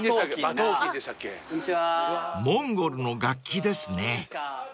［モンゴルの楽器ですね］